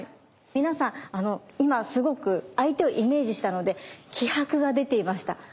皆さん今すごく相手をイメージしたので気迫が出ていました。